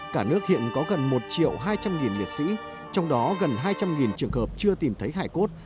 cả nước hiện có gần một hai trăm linh liệt sĩ trong đó gần hai trăm linh trường hợp chưa tìm thấy hải cốt